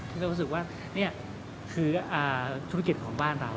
ที่จะรู้สึกว่านี่คือภูมิกฤตของบ้านเรา